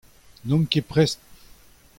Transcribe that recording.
N'on ket prest.